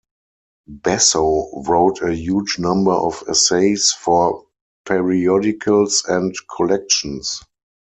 Basso wrote a huge number of essays for periodicals and collections.